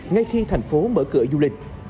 ngay khi thành phố mở cửa du lịch